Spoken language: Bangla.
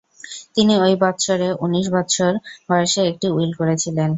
তিনি ওই বৎসরে উনিশ বৎসর বয়সে একটি উইল করেছিলেন।